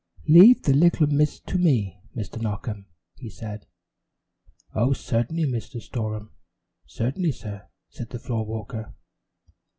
"Leave the little miss to me, Mr. Knockem," he said. "Oh, certainly, Mr. Storem; certainly, sir," said the floor walker.